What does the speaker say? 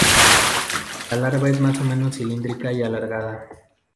La larva es más o menos cilíndrica y alargada.